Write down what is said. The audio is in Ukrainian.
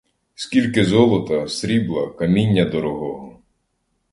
Скільки золота, срібла, каміння дорогого!